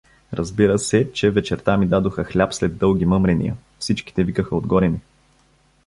Разбира се, че вечерта ми дадоха хляб след дълги мъмрения, Всичките викаха отгоре ми.